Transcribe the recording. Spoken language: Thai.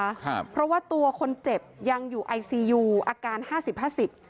ครับเพราะว่าตัวคนเจ็บยังอยู่ไอซียูอาการห้าสิบห้าสิบ